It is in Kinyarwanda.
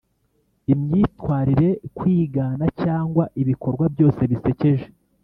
imyitwarire, kwigana cyangwa ibikorwa byose bisekeje.